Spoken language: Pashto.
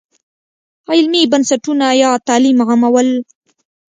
علمي بنسټونه یا تعلیم عامول.